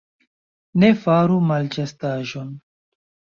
Ne faru malĉastaĵon.